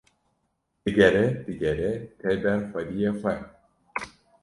digere digere tê ber xwediyê xwe